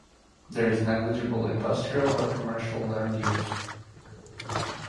There is negligible industrial or commercial land use.